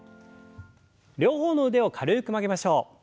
両方の腕を軽く曲げましょう。